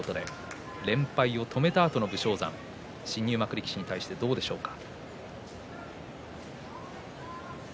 連敗を止めたあとの武将山新入幕力士に対してどうでしょうか。